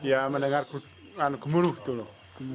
ya mendengar gemuruh itu loh